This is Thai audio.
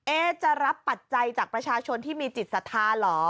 เอ๊ะจะรับปัจจัยจากประชาชนที่มีจิตสาธารณ์เหรอ